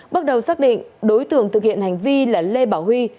bước đầu xác định đối tượng thực hiện hành vi là lê bảo huy